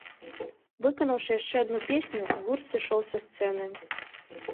Выканаўшы яшчэ адну песню, гурт сышоў са сцэны.